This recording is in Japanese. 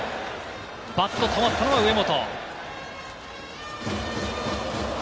バット、止まったのは上本。